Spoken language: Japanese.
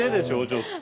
ちょっと。